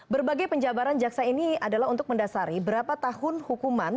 berbagai penjabaran jaksa ini adalah untuk mendasari berapa tahun hukuman